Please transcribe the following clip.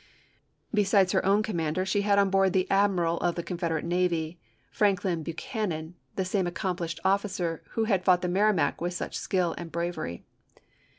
Besides her own commander she had on board the admiral of the Confederate navy, Franklin Buchanan, the same accomplished officer who had fought the Merrimac with such skill and bravery.